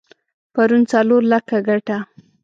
پرون څلور لکه ګټه؛